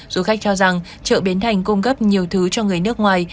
du khách cho rằng chợ bến thành cung cấp nhiều thứ cho người nước ngoài